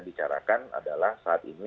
bicarakan adalah saat ini